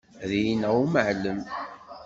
Ad iyi-ineɣ umɛellem.